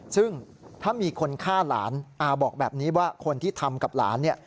ซึ่งถ้ามีคนฆ่าหลานอาบอกแบบนี้ว่าคนที่ทำกับหลานเนี่ย